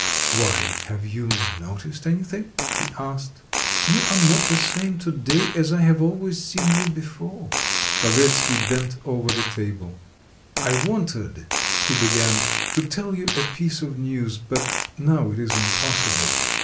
"Why, have you noticed anything?" he asked. "You are not the same to day as I have always seen you before." Lavretsky bent over the table. "I wanted," he began, "to tell you a piece of news, but now it is impossible.